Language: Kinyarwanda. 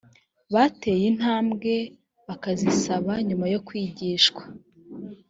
bateye intambwe bakazisaba nyuma yo kwigishwa